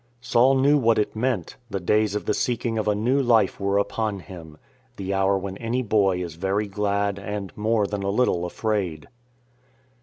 Saul knew what it meant. The days of the seeking of a new life were upon him, the hour when any boy is very glad and more than a little afraid.